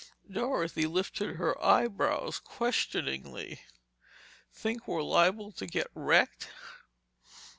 Dorothy lifted her eyebrows questioningly. "Think we're liable to get wrecked?"